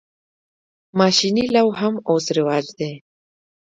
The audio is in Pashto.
ماشیني لو هم اوس رواج دی.